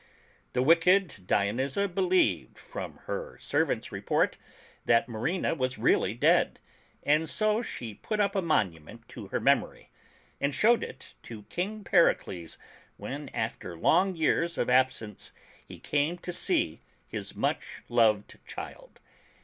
The wicked Dionyza believed, from her servant's report, that Marina was really dead, and so she put up a monument to her mem ory, and showed it to Kng Pericles, when after long years of ab sence he came to see his much loved child.